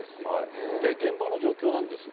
現場の状況なんですが。